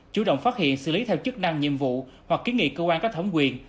chủ động phát hiện xử lý theo chức năng nhiệm vụ hoặc kiến nghị cơ quan có thẩm quyền